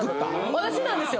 私なんですよ。